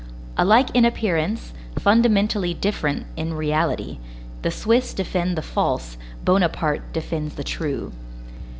Alike in appearance, fundamentally different in reality; the Swiss defend the false, Bonaparte defends the true.